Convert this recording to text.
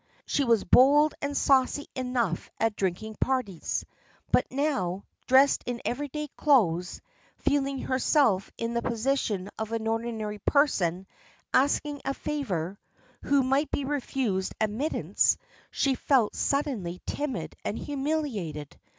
She was bold and saucy enough at drinking parties, but now, dressed in everyday clothes, feeling herself in the position of an ordinary person asking a favour, who might be refused admittance, she felt suddenly timid and humiliated.